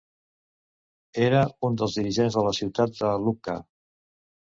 Era un dels dirigents de la ciutat de Lucca.